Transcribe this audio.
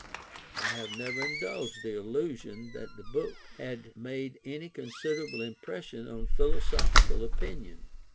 I have never indulged the illusion that the book had made any considerable impression on philosophical opinion.